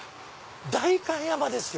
代官山ですよ